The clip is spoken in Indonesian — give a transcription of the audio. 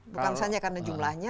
bukan hanya karena jumlahnya